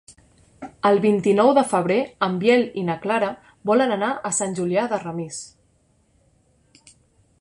El vint-i-nou de febrer en Biel i na Clara volen anar a Sant Julià de Ramis.